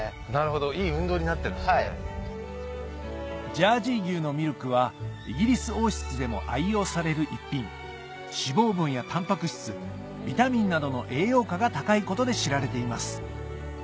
ジャージー牛のミルクはイギリス王室でも愛用される逸品脂肪分やタンパク質ビタミンなどの栄養価が高いことで知られています